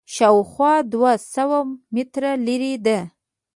شاوخوا دوه سوه متره لرې ده.